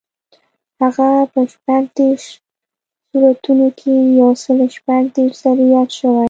هغه په شپږ دېرش سورتونو کې یو سل شپږ دېرش ځلي یاد شوی.